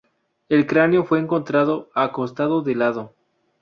El cráneo fue encontrado acostado de lado.